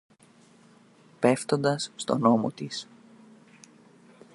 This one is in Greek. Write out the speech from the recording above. πέφτοντας στον ώμο της